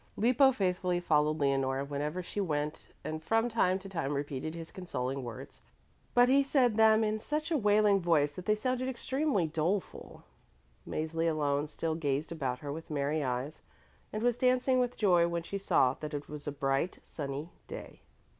Lippo faithfully followed Leonore wherever she went and from time to time repeated his consoling words, but he said them in such a wailing voice that they sounded extremely doleful. Mäzli alone still gazed about her with merry eyes and was dancing with joy when she saw that it was a bright sunny day.